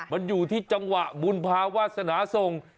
มันอยู่ที่จังหวะบุญภาวาสนาส่ง